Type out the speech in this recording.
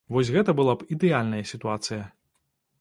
Вось гэта была б ідэальная сітуацыя!